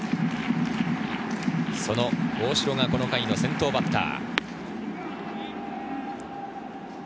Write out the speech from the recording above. その大城がこの回の先頭バッター。